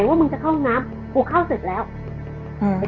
เหตุว่ามึงจะเข้าน้ำบุกเข้าเสร็จแล้วอือฮือ